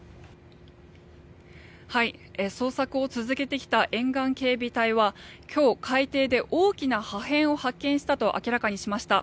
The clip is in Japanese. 捜索を続けてきた沿岸警備隊は今日、海底で大きな破片を発見したと明らかにしました。